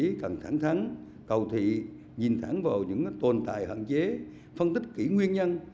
chí cần thẳng thắng cầu thị nhìn thẳng vào những tồn tại hạn chế phân tích kỹ nguyên nhân